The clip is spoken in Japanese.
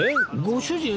ご主人。